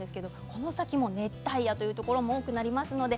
この先熱帯夜のところも多くなります。